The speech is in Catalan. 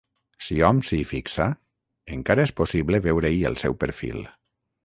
Si hom s'hi fixa, encara és possible veure-hi el seu perfil.